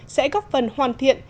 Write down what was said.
sẽ góp phần hoàn thiện